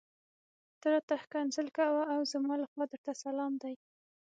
ته راته ښکنځل کوه او زما لخوا درته سلام دی.